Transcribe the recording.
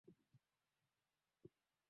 kuyaondoa makombora yake nje ya Cuba